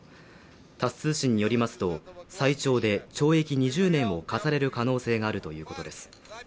タス通信によりますと、最長で懲役２０年を科される可能性があるということです。